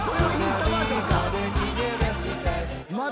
まだ。